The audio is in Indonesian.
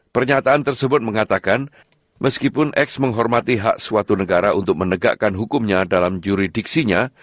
pernyataan tersebut mengatakan meskipun x menghormati hak suatu negara untuk menegakkan hukumnya dalam juridiksinya